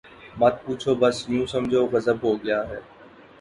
”مت پوچھو بس یوں سمجھو، غضب ہو گیا ہے۔